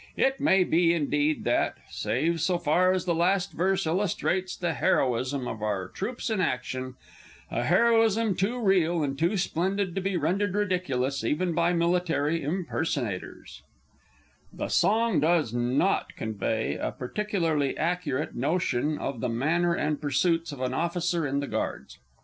It may be, indeed, that (save so far as the last verse illustrates the heroism of our troops in action a heroism too real and too splendid to be rendered ridiculous, even by Military Impersonators), the song does not convey a particularly accurate notion of the manner and pursuits of an officer in the Guards.